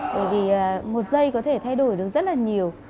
bởi vì một giây có thể thay đổi được rất là nhiều